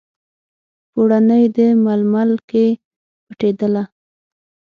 پوړني، د ململ کې پټیدله